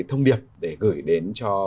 thông điệp để gửi đến cho